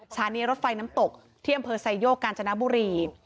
สถานีรถไฟน้ำตกที่อำเภอไซโยกกาญจนบุรี